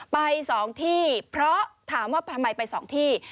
ไป๒ที่เพราะถามว่าทำไมไป๒ที่